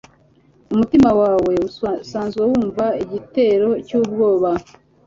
umutima wawe usanzwe wumva igitero cyubwoba